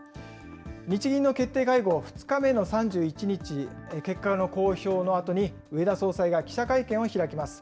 日銀の決定会合２日目の３１日、結果の公表のあとに、植田総裁が記者会見を開きます。